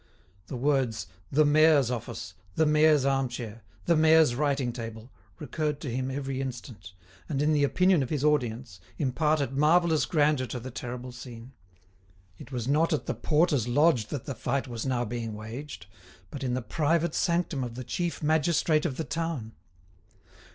The words, "the mayor's office," "the mayor's arm chair," "the mayor's writing table," recurred to him every instant, and in the opinion of his audience imparted marvellous grandeur to the terrible scene. It was not at the porter's lodge that the fight was now being waged, but in the private sanctum of the chief magistrate of the town.